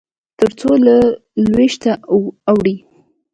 تر څو چې له لوېشته اوړي.